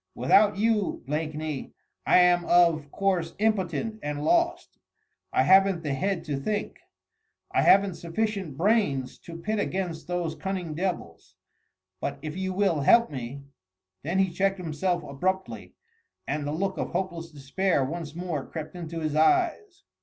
"Without you, Blakeney, I am of course impotent and lost. I haven't the head to think. I haven't sufficient brains to pit against those cunning devils. But if you will help me...." Then he checked himself abruptly, and the look of hopeless despair once more crept into his eyes.